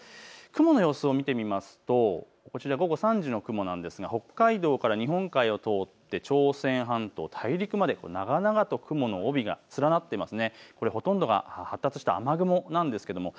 雲の様子を見て見ますとこちら午後３時の雲なんですが北海道から日本海を通って朝鮮半島大陸まで長々と雲の帯が連なっています。